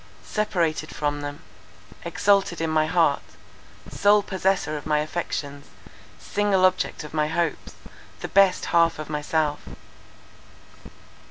Separated from them; exalted in my heart; sole possessor of my affections; single object of my hopes, the best half of myself.